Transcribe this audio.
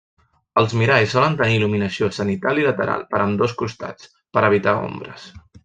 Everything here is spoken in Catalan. Els miralls solen tenir il·luminació zenital i lateral, per ambdós costats, per a evitar ombres.